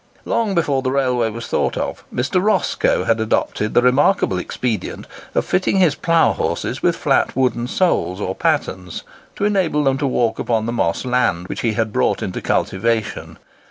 Long before the railway was thought of, Mr. Roscoe had adopted the remarkable expedient of fitting his plough horses with flat wooden soles or pattens, to enable them to walk upon the Moss land which he had brought into cultivation.